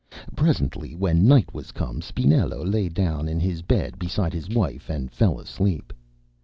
Presently when night was come, Spinello lay down in his bed beside his wife and fell asleep.